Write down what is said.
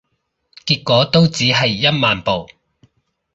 結果都只係一萬步